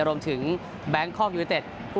รวมถึงแบงค์คอมยูนิเต็ต